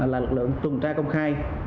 là lực lượng tuần tra công khai